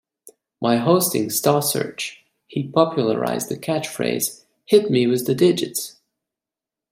While hosting "Star Search", he popularized the catchphrase "Hit me with the digits!".